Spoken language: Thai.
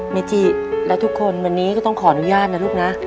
เมจิและทุกคนวันนี้ก็ต้องขออนุญาตนะลูกนะ